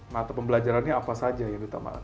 mata pembelajarannya apa saja